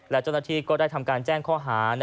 และเจ้าหน้าที่ก็ได้ทำการแจ้งข้อหา